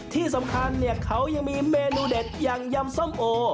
ที่สำคัญเนี่ยเขายังมีเมนูเด็ดอย่างยำส้มโอ